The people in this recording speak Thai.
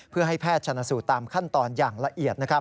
เพื่อให้แพทย์ชนะสูตรตามขั้นตอนอย่างละเอียด